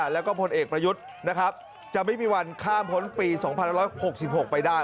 แล้วก็พลเอกประยุทธ์นะครับจะไม่มีวันข้ามพ้นปี๒๑๖๖ไปได้